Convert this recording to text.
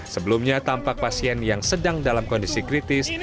sebelumnya tampak pasien yang sedang dalam kondisi kritis